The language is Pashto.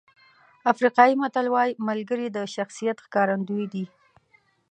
افریقایي متل وایي ملګري د شخصیت ښکارندوی دي.